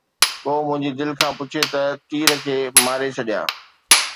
ڪو منهنجي دل کان پڇي ته تير کي ماري ڇڏيان